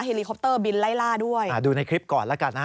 เฮลิเคิปเตอร์บินไล่ด้วยดูในคลิปก่อนละกันนะ